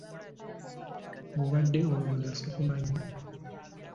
Obadde olowooza sikumanyi?